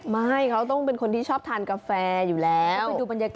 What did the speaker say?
ไม่เขาต้องเป็นคนที่ชอบทานกาแฟอยู่แล้ว